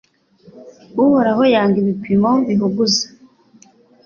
Uhoraho yanga ibipimo bihuguza